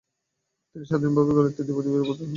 তিনি স্বাধীনভাবে গণিতের দ্বিপদী উপপাদ্য আবিষ্কার করেন।